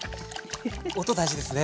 音大事ですね。